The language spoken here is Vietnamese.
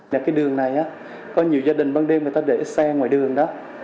cái đường này có nhiều gia đình ban đêm người ta để xe ngoài đường đó